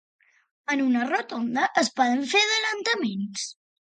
En una rotonda, es poden fer adelantaments?